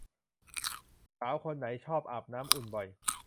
สาวคนไหนชอบอาบน้ำอุ่นบ่อย